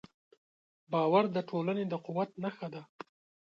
باور د ټولنې د قوت نښه ده.